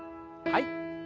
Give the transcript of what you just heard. はい。